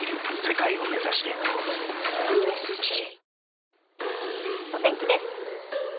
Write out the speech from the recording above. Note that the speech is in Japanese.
続くお天気です。